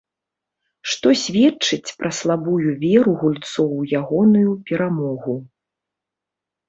Што сведчыць пра слабую веру гульцоў у ягоную перамогу.